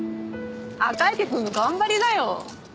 赤池くんの頑張りだよ！